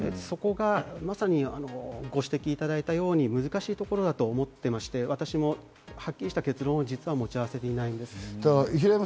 まさにそこがご指摘いただいたように難しいところだと思っていまして、私もはっきりした結論を実は持ち合わせていないんです。